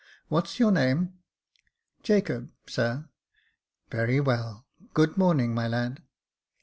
What's your name ?" "Jacob, sir." "Very well; good morning, my lad."